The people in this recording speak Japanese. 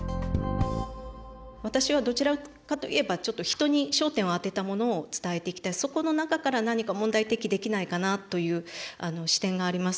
私はどちらかといえばちょっと人に焦点を当てたものを伝えてきたりそこの中から何か問題提起できないかなという視点があります。